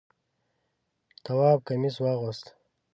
تواب کمیس واغوست.